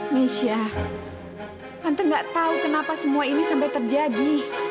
mesya tante gak tau kenapa semua ini sampai terjadi